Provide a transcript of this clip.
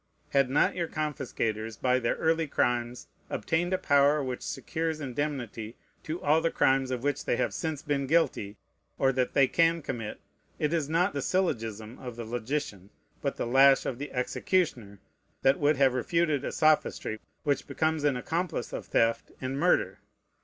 Had not your confiscators by their early crimes obtained a power which secures indemnity to all the crimes of which they have since been guilty, or that they can commit, it is not the syllogism of the logician, but the lash of the executioner, that would have refuted a sophistry which becomes an accomplice of theft and murder.